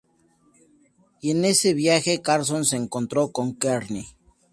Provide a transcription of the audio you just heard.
Y en ese viaje Carson se encontró con Kearny.